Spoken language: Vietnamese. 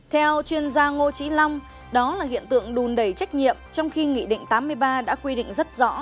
theo chuyên gia ngô trí long đó là hiện tượng đùn đẩy trách nhiệm trong khi nghị định tám mươi ba đã quy định rất rõ